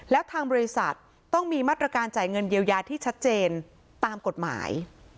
แล้วทางบริษัทต้องมีมาตรการจ่ายเงินเยียวยาที่ชัดเจนตามกฎหมาย